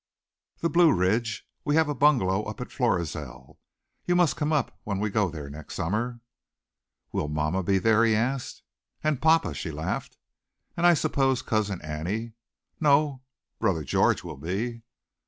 "The Blue Ridge. We have a bungalow up at Florizel. You must come up when we go there next summer." "Will mamma be there?" he asked. "And papa," she laughed. "And I suppose Cousin Annie." "No, brother George will be."